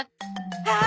ああ！